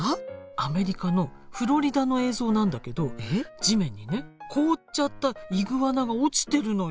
アメリカのフロリダの映像なんだけど地面にね凍っちゃったイグアナが落ちてるのよ。